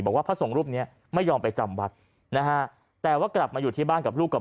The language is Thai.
พระสงฆ์รูปนี้ไม่ยอมไปจำวัดนะฮะแต่ว่ากลับมาอยู่ที่บ้านกับลูกกับ